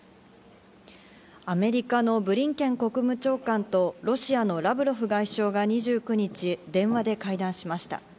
アメリカのブリンケン国務長官とロシアのラブロフ外相が２９日、電話で会談しました。